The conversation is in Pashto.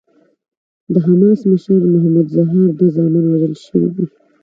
د حماس مشر محمود الزهار دوه زامن وژل شوي دي.